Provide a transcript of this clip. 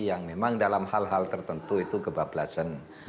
yang memang dalam hal hal tertentu itu kebablasan